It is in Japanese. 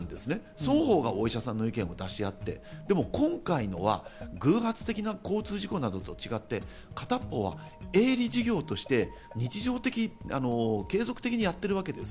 双方がお医者さんの意見を出し合ってでも今回のは偶発的な交通事故などと違って、片方は営利事業として日常的、継続的にやってるわけです。